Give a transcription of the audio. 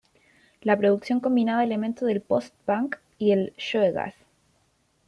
La producción combinaba elementos del post-punk y el shoegaze.